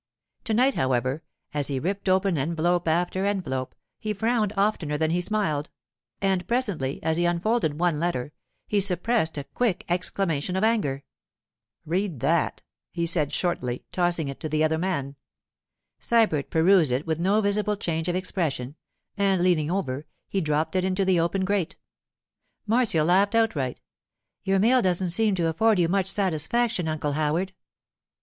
To night, however, as he ripped open envelope after envelope, he frowned oftener than he smiled; and presently, as he unfolded one letter, he suppressed a quick exclamation of anger. 'Read that,' he said shortly, tossing it to the other man. Sybert perused it with no visible change of expression, and leaning over, he dropped it into the open grate. Marcia laughed outright. 'Your mail doesn't seem to afford you much satisfaction, Uncle Howard.